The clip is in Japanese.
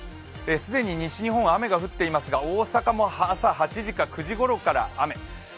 既に西日本は雨が降っていますが大阪も朝８時か９時ごろから雨。